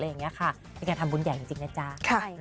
เป็นการทำบุญใหญ่จริงนะจ๊ะ